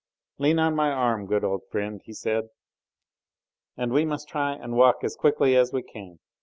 "Lean on my arm, good old friend," he said, "and we must try and walk as quickly as we can.